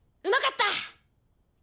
うまかった！